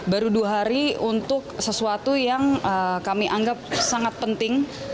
baru dua hari untuk sesuatu yang kami anggap sangat penting